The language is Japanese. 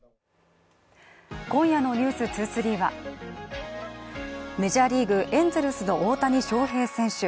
今夜の「ｎｅｗｓ２３」はメジャーリーグ、エンゼルスの大谷翔平選手。